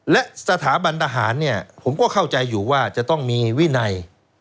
และสถาบันทหารเนี่ยผมก็เข้าใจอยู่ว่าจะต้องมีวินัย